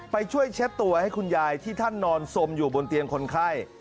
ไปช่วยเช็ดตัวให้คุณยายที่ท่านนอนสมอยู่บนเตียงคนไข้